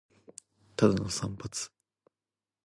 ただの散髪